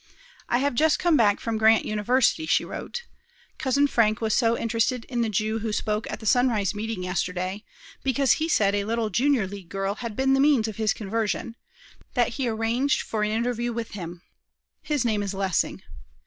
"I have just come back from Grant University," she wrote. "Cousin Frank was so interested in the Jew who spoke at the sunrise meeting yesterday, because he said a little Junior League girl had been the means of his conversion, that he arranged for an interview with him. His name is Lessing.